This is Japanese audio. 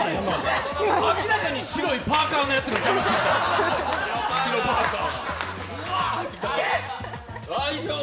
明らかに白いパーカーのやつが邪魔した。